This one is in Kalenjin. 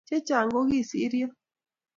che chang ko kisiryo